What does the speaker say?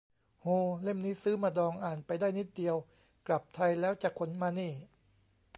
โฮ เล่มนี้ซื้อมาดอง อ่านไปได้นิดเดียว กลับไทยแล้วจะขนมานี่